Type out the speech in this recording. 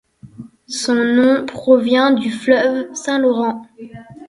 Son nom provient du fleuve Saint-Laurent.